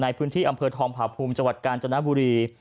ในพื้นที่อำเภอทองผาภูมิจังหวัดกาญจนบุรี